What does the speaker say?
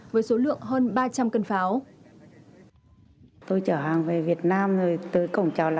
với số lượng hơn ba trăm linh cân pháo